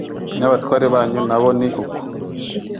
n’abatware banyu na bo ni uko.